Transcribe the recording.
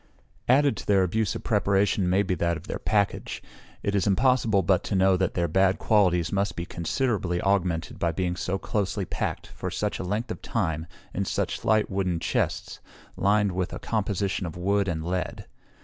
Added to their abuse of preparation may be that of their package. It is impossible but to know that their bad qualities must be considerably augmented by being so closely packed, for such a length of time, in such slight wooden chests, lined with a composition of wood and lead.